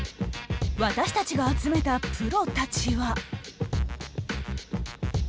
私たちが集めたプロたちは。